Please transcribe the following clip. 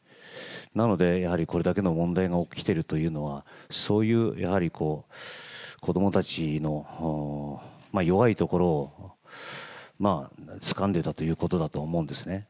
なので、やはり、これだけの問題が起きてるというのは、そういうやはりこう、子どもたちの弱いところをつかんでたということだとは思うんですね。